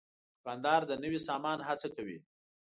دوکاندار د نوي سامان هڅه کوي.